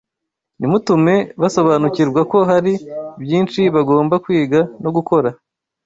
Nimutume basobanukirwa ko hari byinshi bagomba kwiga no gukora